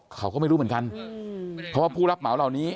เขาก็ไม่รู้เหมือนกันเพราะว่าผู้รับเหมาเหล่านี้